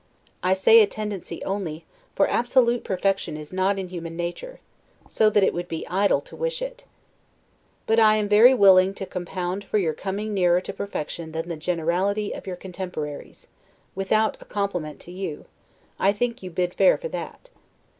I say a tendency only, for absolute perfection is not in human nature, so that it would be idle to wish it. But I am very willing to compound for your coming nearer to perfection than the generality of your contemporaries: without a compliment to you, I think you bid fair for that.